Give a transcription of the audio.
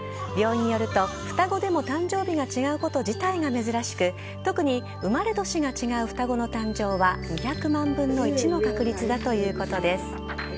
病院によると双子でも誕生日が違うこと自体が珍しく特に生まれ年が違う双子の誕生は２００万分の１の確率だということです。